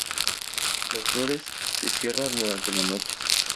Las flores se cierran durante la noche.